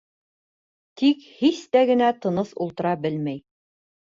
Тик һис тә генә тыныс ултыра белмәй.